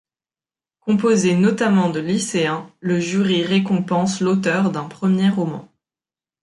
Composé, notamment, de lycéens, le jury récompense l'auteur d'un premier roman.